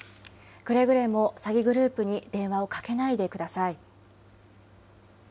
くれぐれも詐欺グループに電話をかけないでください。